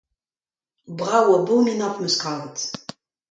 Brav-abominapl em eus kavet.